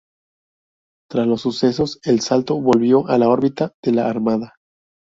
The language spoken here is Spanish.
Tras los sucesos el "Salto" volvió a la órbita de la Armada.